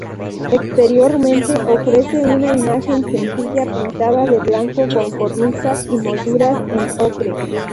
Exteriormente ofrece una imagen sencilla pintada de blanco, con cornisas y molduras en ocre.